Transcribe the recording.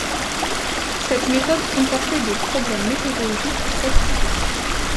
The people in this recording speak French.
Cette méthode comportait des problèmes méthodologiques et statistiques.